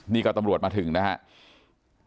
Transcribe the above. นี่ก็ตำรวจมาถึงนะครับ